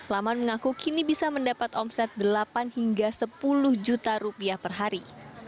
laman mengaku kini bisa mendapat omset delapan hingga sepuluh juta rupiah per hari